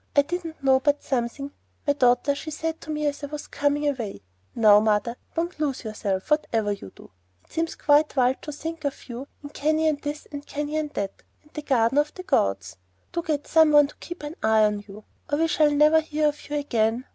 I didn't know but something My daughter she said to me as I was coming away, 'Now, Mother, don't lose yourself, whatever you do. It seems quite wild to think of you in Canyon this and Canyon that, and the Garden of the Gods! Do get some one to keep an eye on you, or we shall never hear of you again.